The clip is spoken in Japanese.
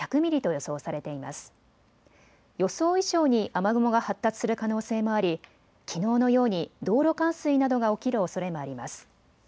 予想以上に雨雲が発達する可能性もあり、きのうのように道路冠水などが起きるおそれもあります。